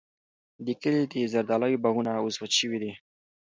د کلي د زردالیو باغونه اوس وچ شوي دي.